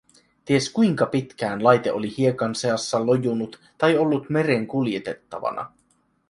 Ties kuinka pitkään laite oli hiekan seassa lojunut tai ollut meren kuljetettavana.